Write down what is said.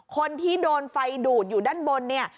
คนที่โดนไฟดูดอยู่ด้านบนเนี่ย